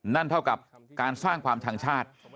นั่นเท่ากับการสร้างความชังชาติ